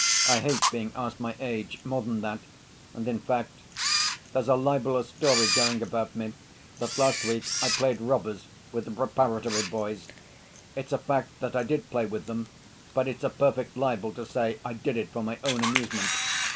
I hate being asked my age, more than that ... and in fact ... there's a libelous story going about me, that last week I played robbers with the preparatory boys. It's a fact that I did play with them, but it's a perfect libel to say I did it for my own amusement.